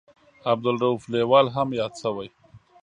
عبدالرووف لیوال هم یاد شوی.